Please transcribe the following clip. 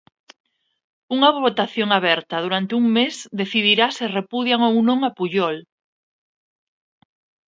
Unha votación aberta durante un mes decidirá se repudian ou non a Pujol.